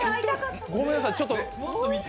ごめんなさい、ちょっと。